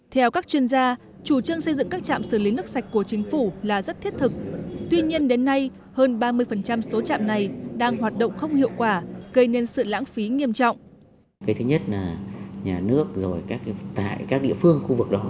theo các chuyên gia chủ trương xây dựng các trạm xử lý nước sạch của chính phủ là rất thiết thực tuy nhiên đến nay hơn ba mươi số trạm này đang hoạt động không hiệu quả gây nên sự lãng phí nghiêm trọng